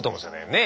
ねえ。